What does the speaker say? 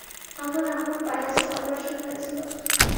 আমার আম্মুর পাইলসের অপারেশন হয়েছিলো।